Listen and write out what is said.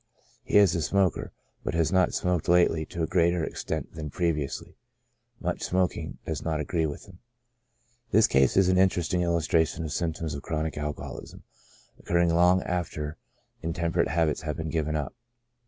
He is a smoker, but has not smoked lately to a greater extent than previously. Much smoking does not agree with him. This case is an interesting illustration of symptoms of chronic alcoholism, occurring long after intemperate habits have been given up.